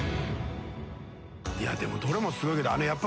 いやでもどれもすごいけどあれ